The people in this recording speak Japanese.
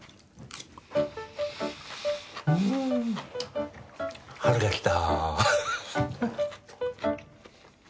ん春が来た。